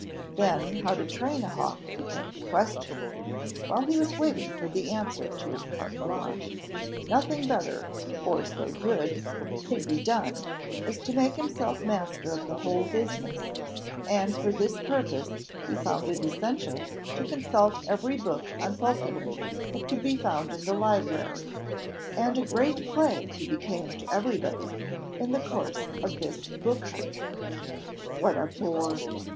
Then, how to train a hawk became the question. While he was waiting for the answer to his carte blanche, nothing better, or so good, could be done, as to make himself master of the whole business, and for this purpose he found it essential to consult every book on falconry that could be found in the library, and a great plague he became to everybody in the course of this book hunt. "What a bore!"